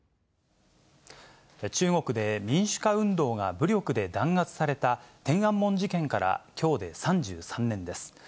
中国で民主化運動が武力で弾圧された、天安門事件からきょうで３３年です。